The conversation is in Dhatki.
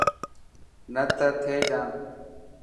نه ته ٿي جاند.